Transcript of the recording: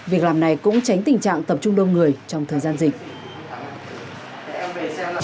việc làm này cũng tránh tình trạng tập trung đông người trong thời gian dịch